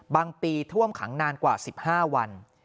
ปีท่วมขังนานกว่า๑๕วัน